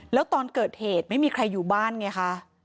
แล้วตอนเกิดเหตุไม่มีใครอยู่บ้านไงคะ